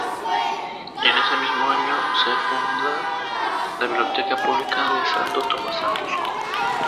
Y en ese mismo año se funda la Biblioteca Pública de Santo Tomas Ajusco.